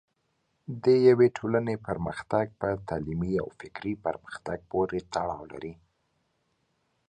د یوې ټولنې پرمختګ په تعلیمي او فکري پرمختګ پورې تړاو لري.